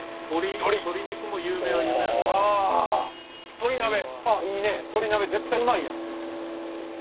鶏鍋絶対うまいやん。